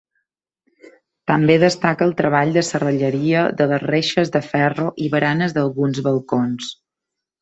També destaca el treball de serralleria de les reixes de ferro i baranes d'alguns balcons.